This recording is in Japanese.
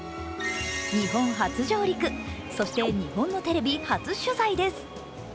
日本初上陸、そして日本のテレビ初取材です。